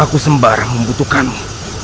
aku sembarang membutuhkanmu